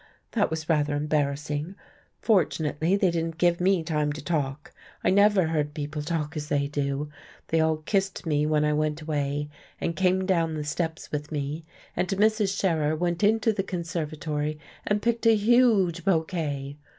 That was rather embarrassing. Fortunately they didn't give me time to talk, I never heard people talk as they do. They all kissed me when I went away, and came down the steps with me. And Mrs. Scherer went into the conservatory and picked a huge bouquet.